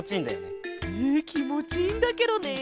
えきもちいいんだケロね。